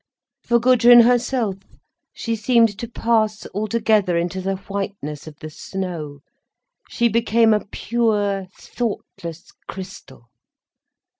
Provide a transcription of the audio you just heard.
For Gudrun herself, she seemed to pass altogether into the whiteness of the snow, she became a pure, thoughtless crystal.